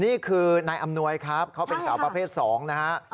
นี่คือนายอำนวยครับเขาเป็นสาวประเภท๒นะฮะ